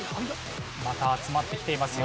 また集まってきていますよ。